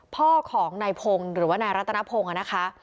พ่อของนายพงศ์หรือว่านายรัตนพงศ์นะคะ